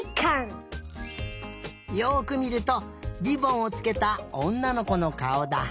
よくみるとりぼんをつけたおんなのこのかおだ。